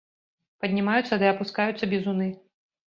Паднімаюцца ды апускаюцца бізуны.